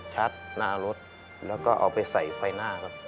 หน้ารถแล้วก็เอาไปใส่ไฟหน้าครับ